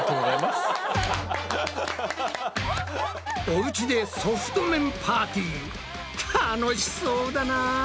おうちでソフト麺パーティー楽しそうだなぁ！